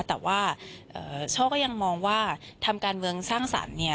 แต่ว่าโชคก็ยังมองว่าทำการเมืองสร้างสรรค์เนี่ย